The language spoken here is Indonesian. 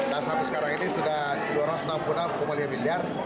dan sampai sekarang ini sudah rp dua ratus enam puluh enam dua miliar